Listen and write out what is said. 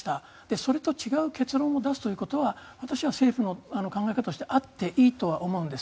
それと違う結論を出すということは私は政府の考え方としてあっていいとは思うんです。